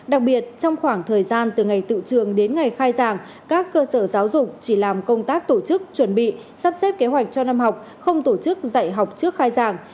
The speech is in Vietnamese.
đặc biệt trong khoảng thời gian từ ngày tự trường đến ngày khai giảng các cơ sở giáo dục chỉ làm công tác tổ chức chuẩn bị sắp xếp kế hoạch cho năm học không tổ chức dạy học trước khai giảng